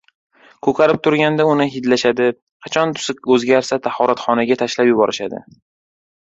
Ko‘karib turganda uni hidlashadi, qachon tusi o‘zgarsa, tahoratxonaga tashlab yuborishadi.